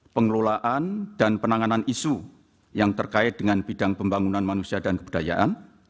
tiga melakukan pengendalian kebijaksanaan kementerian atau lembaga